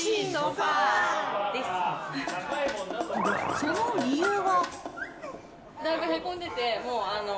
その理由は？